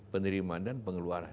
penerimaan dan pengeluaran